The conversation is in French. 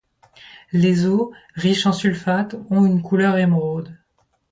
Les eaux, riches en sulfate, ont une couleur émeraude.